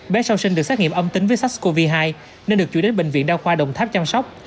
bé sau sinh được xét nghiệm âm tính với sars cov hai nên được chủ đến bệnh viện đa khoa đồng tháp chăm sóc